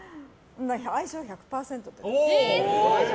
相性１００％と。